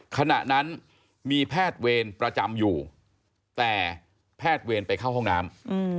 ขณะนั้นมีแพทย์เวรประจำอยู่แต่แพทย์เวรไปเข้าห้องน้ำ